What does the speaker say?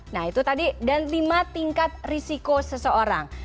nah itu tadi dan lima tingkat risiko seseorang